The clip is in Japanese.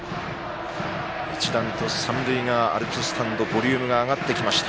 一段と三塁側アルプススタンドボリュームが上がってきました。